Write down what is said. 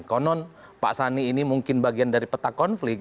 konon pak sani ini mungkin bagian dari peta konflik